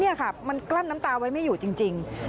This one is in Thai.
นี่ค่ะมันกลั้นน้ำตาไว้ไม่อยู่จริง